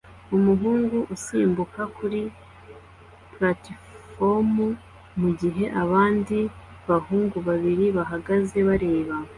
Umuhungu asimbuka kuri platifomu mugihe abandi bahungu babiri bahagaze bareba